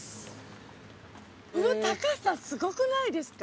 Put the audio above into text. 高さすごくないですか？